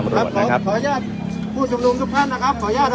และจะมีการเปิดกลับไปซะ